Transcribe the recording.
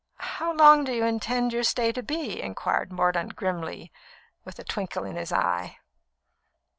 "How long do you intend your stay to be?" inquired Mordaunt grimly, but with a twinkle in his eye.